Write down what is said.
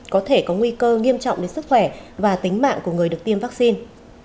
có thể có nguy cơ nghiêm trọng đến sức khỏe và tính mạng của người được tiêm vaccine